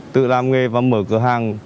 tự làm nghề và mở cửa hàng